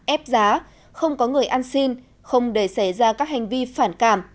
ép giá không có người ăn xin không để xảy ra các hành vi phản cảm